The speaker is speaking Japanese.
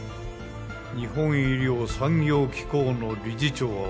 日本医療産業機構の理事長は私です。